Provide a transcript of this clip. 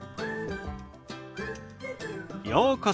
ようこそ。